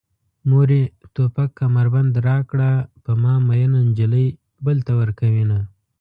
مورې توپک کمربند راکړه په ما مينه نجلۍ بل ته ورکوينه